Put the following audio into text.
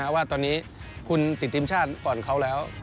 ว่าตอนนี้คุณติดทีมชาติก่อนเขาแล้ว